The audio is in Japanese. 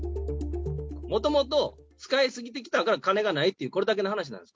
もともと使い過ぎてきたから金がないっていう、これだけの話なんです。